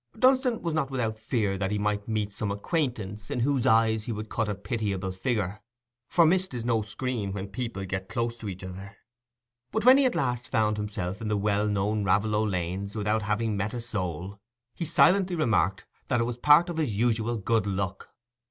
Dunsey was not without fear that he might meet some acquaintance in whose eyes he would cut a pitiable figure, for mist is no screen when people get close to each other; but when he at last found himself in the well known Raveloe lanes without having met a soul, he silently remarked that that was part of his usual good luck.